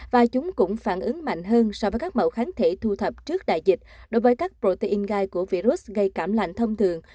và chúng cũng phản ứng mạnh hơn so với các mẫu kháng thể thu thập trước đại dịch đối với các protein gai của virus gây cảm lạnh thông thường